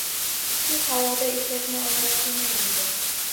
Shu havoda eshakni ovora qilmay dedi